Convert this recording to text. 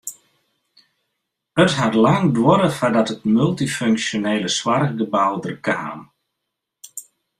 It hat lang duorre foardat it multyfunksjonele soarchgebou der kaam.